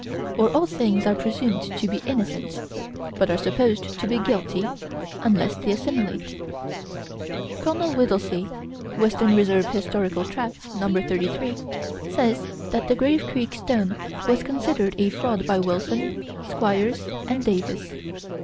Or all things are presumed to be innocent, but are supposed to be guilty unless they assimilate. Col. Whittelsey (Western Reserve Historical Tracts, No. 33) says that the Grave Creek stone was considered a fraud by Wilson, Squires, and Davis.